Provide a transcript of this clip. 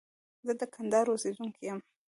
زه د کندهار اوسيدونکي يم.